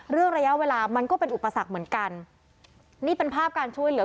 ระยะเวลามันก็เป็นอุปสรรคเหมือนกันนี่เป็นภาพการช่วยเหลือ